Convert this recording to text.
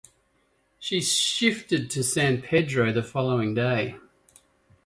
She shifted to San Pedro the following day.